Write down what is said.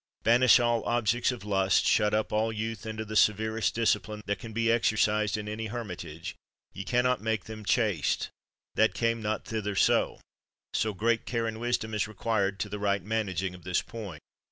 Banish all objects of lust, shut up all youth into the severest dis cipline that can be exercised in any hermitage, ye can not make them chaste, that came not thither so : such great care and wisdom is re quired to the right managing of this point.